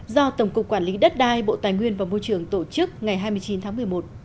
do tổng cục quản lý đất đai bộ tài nguyên và môi trường tổ chức ngày hai mươi chín tháng một mươi một